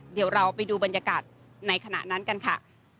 เดี๋ยวเราไปดูบรรยากาศในขณะนั้นกันค่ะ